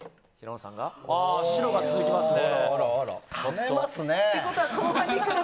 白が続きますね。